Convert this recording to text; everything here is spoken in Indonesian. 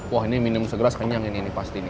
wah ini minum segera sekenyang ini ini pasti nih